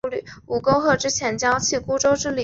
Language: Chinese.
你们为什么哭？